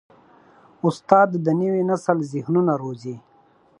استاد د نوي نسل ذهنونه روزي.